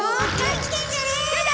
やだ！